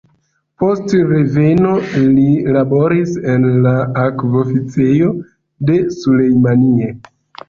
Post reveno, li laboris en la akv-oficejo de Sulejmanie.